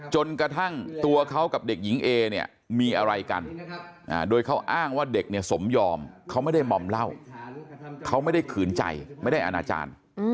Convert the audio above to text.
จนกระทั่งตัวเขากับเด็กหญิงเอเนี่ยมีอะไรกันโดยเขาอ้างว่าเด็กเนี่ยสมยอมเขาไม่ได้มอมเหล้าเขาไม่ได้ขืนใจไม่ได้อนาจารย์